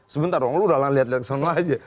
sebentar dong lu udah lah lihat lihat keselamanya aja